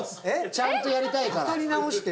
ちゃんとやりたいから。